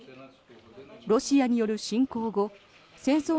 ロシアによる侵攻後戦争